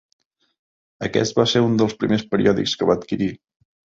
Aquest va ser un dels primers periòdics que va adquirir.